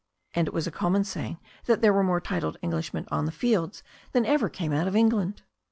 And it was a common saying that there were more titled Englishmen on the fields than ever came out of England.